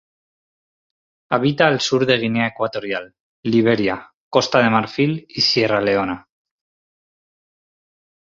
Habita al sur de Guinea Ecuatorial, Liberia, Costa de Marfil y Sierra Leona.